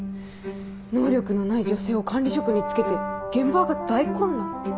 「能力のない女性を管理職につけて現場が大混乱」。